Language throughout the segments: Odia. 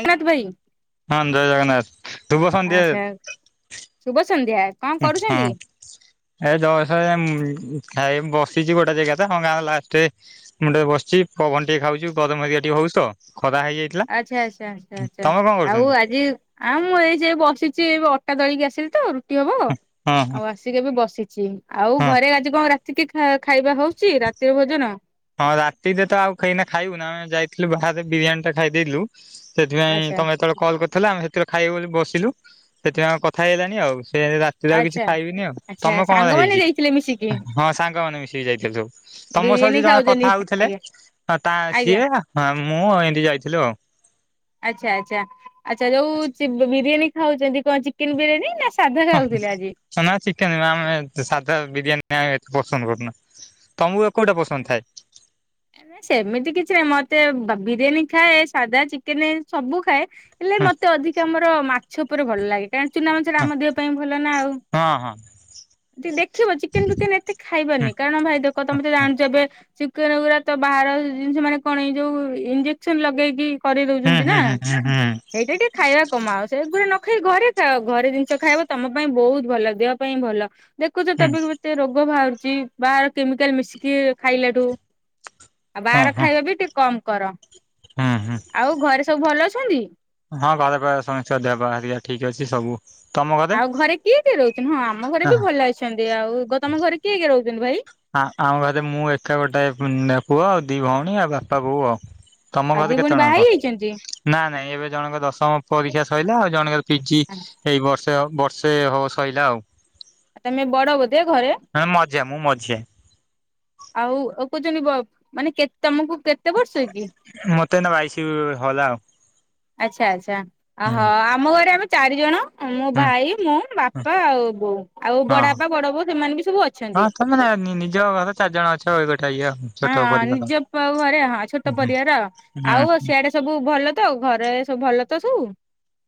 ଏକନାଥ ଭାଇ ହଁ ଜୟ ଜଗନ୍ନାଥ ଶୁଭ ସନ୍ଧ୍ୟା ଆଛା ଶୁଭ ସନ୍ଧ୍ୟା। କଣ ଆଚ୍ଛା। କରୁଛନ୍ତି? ଏ [unintelligible] ଖା ବସିଚି ଗୋଟେ ଜାଗା ତ ହଁ ଗାଁ ଲାଷ୍ଟ ମୁଁ ଟିକେ ବସିଛି ପବନ ଟିକେ ଖାଉଚି ଗରମ ଇଆଡ଼େ ଟିକେ ହଉଚି ତ ଖରା ହେଇଯାଇ ଆଚ୍ଛା ଆଚ୍ଛା ଆଚ୍ଛା ଆଚ୍ଛା ଆଉ ଆଜି ଆଉ ମୁଁ ଏଇ ସେଇ ବସିଛି ଅଟା ଦଳିକି ଆସିଲି ତ ରୁଟି ହବ ହଁ ହଁ ଆଉ ଆସି ଟିକେ ଏବେ ବସିଛି ଆଉ ହଁ ଘରେ ଆଜି କଣ ରାତିକି ଖାଇବା ହୋଉଚି ରାତିର ଭୋଜନ? ହଁ ରାତିରେ ତ ଆଉ ଖେଇନା ଖାଇବୁ ନା ଆମେ ଯାଇଥିଲୁ ବାହାରେ ବିରିୟାନୀ ଟା ଖାଇଦେଇଥିଲୁ। ସେଥିପାଇଁ ଆଚ୍ଛା ତମେ ଯେତେବେଳେ କଲ୍ କରିଥିଲ ଆମେ ସେତେବେଳେ ଖାଇବୁ ବୋଲି ବସିଲୁ ସେଥିପାଇଁ ଆଉ କଥା ହେଇହେଲାନି ଆଉ। ସେ ରାତିରେ ଆଉ କିଛି ଆଚ୍ଛା ଖାଇବିନି ଆଉ। ଆଚ୍ଛା ତମର କଣ ସାଙ୍ଗମାନେ ହେଇଚି? ଯାଇଥିଲେ ମିଶିକି ହଁ ସାଙ୍ଗମାନେ ମିଶିକି ଯାଇଥିଲୁ ସବୁ। ତମ ସହ ବିରିୟାନୀ ଯିଏ ଜଣ ଖାଉଛନ୍ତି କଥା ହଉଥିଲେ ଆଜ୍ଞା ହଁ ତା ଆଜ୍ଞା ସିଏ ହ ମୁଁ ଏମନ୍ତି ଯାଇଥିଲୁ ଆଉ। ଆଚ୍ଛା ଆଚ୍ଛା ଆଚ୍ଛା ଯୋଉ ଚି ବିରିୟାନୀ ଖାଉଚନ୍ତି କଣ ଚିକେନ ବିରିୟାନୀ ନା ସାଧା ଖାଉଥିଲେ ଆଜି? ନା ଚିକେନ ଆମେ ସାଧା ବିରିୟାନୀ ଆମେ ଏତେ ପସନ୍ଦ କରୁନା। ତମକୁ କୋଉଟା ପସନ୍ଦ ଥାଏ? ନା ସେମିତି କିଛି ନାହିଁ ମତେ ବା ବିରିୟାନୀ ଖାଏ ସାଧା ଚିକେନ ସବୁ ଖାଏ। ହେଲେ ହଁ ମତେ ଅଧିକ ଆମର ମାଛ ଉପରେ ଭଲ ଲାଗେ। କାନ ଚୁନାମାଛଟା ଆମ ଦେହ ପାଇଁ ଭଲ ନା ଆଉ। ହଁ ହଁ ଟିକେ ଦେଖିବ ଚିକେନ ଫିକେନ ଏତେ ହୁଁ ଖାଇବନି କାରଣ ଭାଇ ଦେଖ ତମେ ତ ଜାଣିଚ ଚିକେନ ଗୁରା ତ ବାହାର ଜିନିଷ ମାନେ କଣ ଏଇ ଯୋଉ ଇଞ୍ଜେକ୍ସନ ଲଗେଇକି କରେଇଦଉଚ ନ୍ତି ହୁଁ ନା ହୁଁ ହୁଁ ହୁଁ ସେଇଟା ଟିକେ ଖାଇବା କମାଓ ସେଗୁଡ଼ା ନଖାଇ ଘରେ ଖାଅ ଘରେ ଜିନିଷ ଖାଇବ ତମ ପାଇଁ ବହୁତ ଭଲ ଦେହ ପାଇଁ ଭଲ। ଦେଖୁଛ ତ ହୁଁ ଏବେ କେତେ ରୋଗ ବାହାରୁଚି ବାହାର କେମିକାଲ ମିଶିକି ଖାଇଲାଠୁ। ଆଉ ହଁ ବାହାର ହଁ ଖାଇବା ବି ଟିକେ କମ କର। ହୁଁ ହୁଁ। ଆଉ ଘରେ ସବୁ ଭଲ ଅଛନ୍ତି? ହଁ ଘରେ ପା ସମସ୍ତଙ୍କ ଦେହ ଠିକ ଅଛି ସବୁ। ତମ ଘରେ? କିଏ କିଏ ରହୁଚନ୍ତି? ହଁ ଆମ ଘରେ ବି ଭଲ ଅଛନ୍ତି। ଆଉ ଗ ତମ ଘରେ କିଏ କିଏ ରହୁଚନ୍ତି ଭାଇ? ହଁ ଆମ ଘରେ ମୁଁ ଏକା ଗୋଟେ ପୁଅ ଆଉ ଦି ଭଉଣୀ ଆଉ ବାପା ବୋଉ ଆଉ। ତମ ଆଉ ଘରେ ଦି ଭଉଣୀ କେତେ ଜଣ ବାହା ହେଇ କଣ? ଯାଇଛନ୍ତି? ନା ନା ଏବେ ଜଣଙ୍କର ଦଶମ ପରୀକ୍ଷା ସରିଲା। ଆଉ ଜଣଙ୍କର ପିଜି ଏଇ ବର୍ଷ ବର୍ଷେ ହବ ସଇଲା ଆଉ। ଆଉ ତମେ ବଡ଼ ବୋଧେ ଘରେ? ହଁ ମଝିଆ ମୁଁ ମଝିଆଁ। ଆଉ ଆଉ କହୁଚନ୍ତି ବ ମାନେ କେ ତମକୁ କେତେ ବର୍ଷ କି? ମତେ ଏନା ବାଇଶି ହଲା ଆଉ। ଆଚ୍ଛା ଆଚ୍ଛା ଅ ହୁଁ ହ ଆମ ଘରେ ଆମେ ଚାରିଜଣ। ମୋ ହୁଁ ଭାଇ ମୁଁ ହୁଁ ବାପା ଆଉ ବୋଉ ଆଉ ବଡ ହଁ। ବାପା ବଡ ବୋଉ ସେମାନେ ବି ସବୁ ହଁ ଅଛନ୍ତି। ତମେ ମାନେ ନିଜ ଘରେ ଚାରିଜଣ ଅଛ ଗୋଟେ ଇଏ ଆଉ। ହଁ ଛୋଟ ପରିବାର। ନିଜ ପୁଆଉ ଘରେ ହଁ ହୁଁ ଛୋଟ ହୁଁ ପରିବାର। ହୁଁ ଆଉ ସିଆଡେ ସବୁ ଭଲ ତ ଘରେ ସବୁ ଭଲ ତ ସବୁ?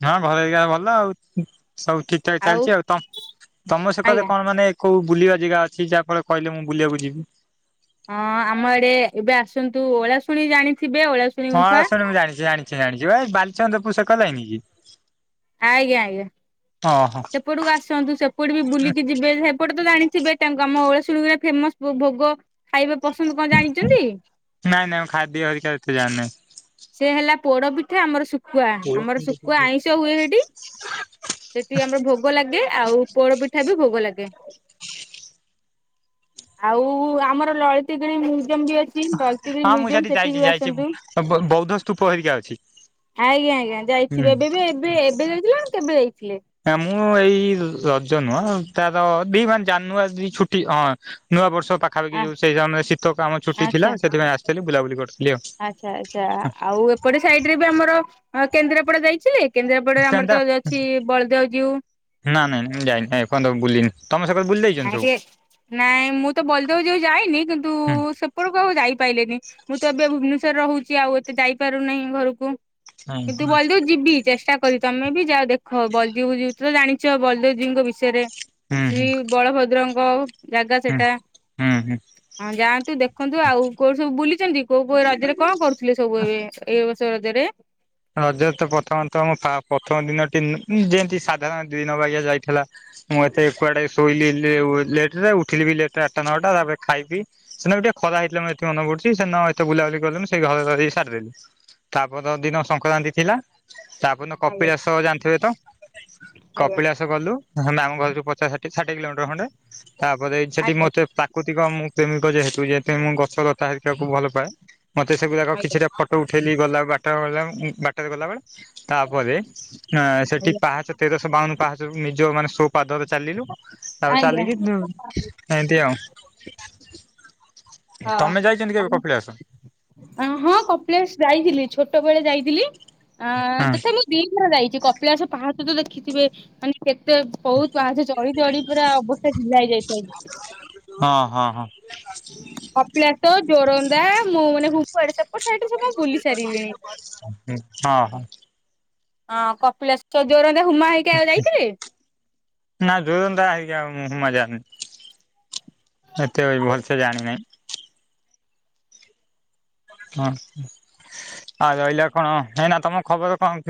ହଁ ଘରେ ଏଇଆ ଭଲ ଆଉ ସବୁ ଠିକ ଠାକ ଚାଲିଚି ଆଉ। ତମ ସେକରେ ଆଜ୍ଞା। କଣ ମାନେ କୋଉ ବୁଲିବା ଜାଗା ଅଛି ଯାହା ଫଳରେ କହିଲେ ମୁଁ ବୁଲିବାକୁ ଯିବି। ହଁ ଆମ ଆଡ଼େ ଏବେ ଆସନ୍ତୁ ଓଳାଶୁଣି ଜାଣିଥିବେ ଓଳା [unintelligible] ମୁଁ ଜାଣିଚି ଜାଣିଚି ଜାଣିଚି ପା ଏଇ ବାଲିଚନ୍ଦ୍ରପୁର ସେ କର ଲାଇନ କି? ଆଜ୍ଞା ଆଜ୍ଞା ଓହୋ ସେପଟକୁ ଆସନ୍ତୁ ସେପଟେ ବି ବୁଲିକି ଯିବେ। ସେପଟେ ତ ଜାଣିଥିବେ ତାଙ୍କୁ ଆମ ଓଳସୁଣୀରେ ଫେମସ ଭୋଗ ଖାଇବା ପସନ୍ଦ କଣ ଜାଣିଚନ୍ତି? ନାଇଁ ନାଇଁ ଖାଦ୍ୟ ହରିକା ଏତେ ଜାଣି ନାହିଁ। ସେ ହେଲା ପୋଡ଼ ପିଠା ଆମର ଶୁଖୁଆ ଆମର ଶୁଖୁଆ ଆଇଁଷ ହୁଏ ସେଠି। ସେଠି ଆମର ଭୋଗ ଲାଗେ ଆଉ ପୋଡ ପିଠା ବି ଭୋଗ ଲାଗେ। ଆଉ ଆମର ଲଳତିଗିରି ମ୍ୟୁଜିୟମ ବି ଅଛି ଲଳତିଗିରି ମ୍ୟୁଜିୟମ ସେଠିକି ବି ଆସନ୍ତୁ। ଆ ବୌ ବୌଦ୍ଧ ସ୍ତୁପ ହେରିକା ଅଛି। ଆଜ୍ଞା ଆଜ୍ଞା ହୁଁ ଯାଇଥିବେ ଏବେ ବି ଏବେ ଏବେ ଯାଇଥିଲେ ନା କେବେ ଯାଇଥିଲେ? ନା ମୁଁ ଏଇ ରଜ ନୁହଁ ତାର ଦି ମାନେ ଜାନୁଆଦି ଛୁଟି ହଁ। ନୂଆ ବର୍ଷ ପାଖାପାଖି ଯୋଉ ଆଚ୍ଛା ସେଇ ସମୟରେ ଶୀତକୁ ଆମ ଛୁଟି ଆଚ୍ଛା। ଥିଲା ସେଥିପାଇଁ ଆସିଥିଲି ବୁଲାବୁଲି କରିଥିଲି ଆଉ। ଆଚ୍ଛା ଆଚ୍ଛା ଆଉ ଏପଟ ସାଇଡରେ ବି ଆମର ଅ କେନ୍ଦ୍ରାପଡା ଯାଇଥିଲେ। କେନ୍ଦ୍ରାପଡାରେ ଆମର କେନ୍ତା ତ ଯୋଉ ଅଛି ବଳଦେବ ଜୀଉ। ନା ନାଇଁ ନାଇଁ ମୁଁ ଯାଇନି ନାହିଁ ଏ ପନ୍ତ ବୁଲିିନି। ତମେ ସେ [unintelligible] ବୁଲ୍ [unintelligible] ନାଇଁ ମୁଁ ତ ବଳଦେବ ଜୀଉ ଯାଇନି କିନ୍ତୁ ହୁଁ ସେ ପୁରୁକୁ ଆଉ ଯାଇପାଇଲିନି ମୁଁ ତ ଏବେ ଭୁବନେଶ୍ଵର ରହୁଚି ଆଉ ଏତେ ଯାଇପାରୁନାହିଁ ଘରୁକୁ। ହୁଁ କିନ୍ତୁ ବଳଦେବ ଯିବି ଚେଷ୍ଟା କରିବି ତମେ ବି ଯାଅ ଦେଖ ବଳଦିଉ ଜୀଉ ତ ଜାଣିଚ ବଳଦେବ ଜୀଉଙ୍କ ବିଷେୟେରେ ହୁଁ ହୁଁ। ଶ୍ରୀ ବଳଭଦ୍ରଙ୍କ ଜାଗା ସେଟା। ହୁଁ ହୁଁ ହଁ ଯାଆନ୍ତୁ ଦେଖନ୍ତୁ ଆଉ କୋଉଠି ସବୁ ବୁଲିଚନ୍ତି କୋଉ କୋଉ ରଜେରେ କଁ କରୁ ଥିଲେ ସବୁ ଏ ଏଇ ବର୍ଷ ରଜେରେ ରଜେରେ ତ ପ୍ରଥମ ତ ମୋ ଫା ପ୍ରଥମ ଦିନଟି ଉଁ ଉଁ ଯେନ୍ତି ସାଧାରଣ ଦିନ ବାଗିଆ ଯାଇଥେଲା। ମୁଁ ଏତେ କୁଆଡେ ଶୋଇଲି ଲେ ଉ ଲେଟରେ ଉଠିଲି ବି ଲେଟରେ ଆଟଟା ନଅଟା ତାପରେ ଖାଇ ପିଇ ସେଦିନ ବି ଟିକେ ଖରା ହେଇଥିଲା ମୋର ଯେତିକି ମନ ପଡୁଚି ସେ ଦିନ ଏତେ ବୁଲାବୁଲି କଲୁନି ସେଇ ଘରେ ରହି ରହି ସାରିଦେଲି। ତାପରଦିନ ସଙ୍କରାନ୍ତି ଥିଲା ତାପରଦିନ ଆଜ୍ଞା କପିଳାସ ଜାଣିଥେବେ ତ। ଆଜ୍ଞା କପିଳାସ ଗଲୁ [unintelligible] ଆମ ଘରଠୁ ପଚାଶ ଷାଠିଏ ଷାଠିଏ କିଲୋମିଟର ଖଣ୍ଡେ। ତାପରେ ଛେଠି ଆଜ୍ଞା ମତେ ପା କୁତିକ ମୁଁ ପ୍ରେମିକ ଯେହେତୁ ଯେହେତୁ ମୁଁ ଗଛଲତା ହେରିକାକୁ ଭଲ ପାଏ ମତେ ସେଗୁରାକ ଆଜ୍ଞା। କିଛିଟା ଫ ଟୋ ଉଠେଇଲି ଗଲା ବାଟରେ ଗଲା ଉଁ ଉଁ ଟେରେ ଗଲାବେଳେ ତାପରେ ଆଁ ସେଠି ଆଜ୍ଞା ପାହାଚ ତେରଶ ବାଉନୁ ପାହାଚରୁ ନିଜ ମାନେ ସୋ ପାଦରେ ଚାଲିଲୁ ତାପରେ ଆଜ୍ଞା। ଚାଲିକି ଉଁ ଏନ୍ତି ଆଉ। ହଁ ତମେ ଯାଇଛନ୍ତି କେବେ [unintelligible] କପିଳାସ? ଆ ହଁ କପିଳାସ ଯାଇଥିଲି ଛୋଟବଳେ ଯାଇଥିଲି। ଆଁ ହଁ ତଥାପି ମୁଁ ଦି ଥର ଯାଇଚି କପିଳାସ ପାହାଚ ତ ଦେଖିଥିବେ। ମାନେ କେତେ ବୋହୁତ ପାହାଚ ଚଢି ଚଢି ପୁରା ଅବସ୍ତା ଢିଲା ହେଇ ଯାଇଥାଏ। ହଁ ହଁ ହଁ। କପିଳାସ ଜୋରନ୍ଦା ମୁଁ ମାନେ [unintelligible] କୁଆଡେ ସେପଟ ସାଇଟରେ ସବୁ ମୁଁ ବୁଲି ସାରିଲିଣି। ହୁଁ ହଁ ହଁ। ଅଁ କପିଳାସ କେ ଜୋରନ୍ଦା ହୁମା ହେଇକା ଯାଇଥିଲେ। ନା ଜୋରନ୍ଦା ହେଇକା ମୁଁ ହୁମା ଜାଣନି। ଏତେ ବି ଭଲ ସେ ଜାଣି ନାଇଁ। ହଁ ହଁ ଆଉ ରହିଲା କଣ ହେଇନା ତମ ଖବର କଁ କେ